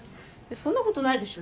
そんなことないでしょ。